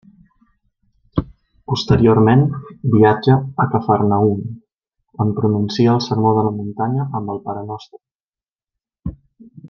Posteriorment viatja a Cafarnaüm, on pronuncia el Sermó de la muntanya amb el parenostre.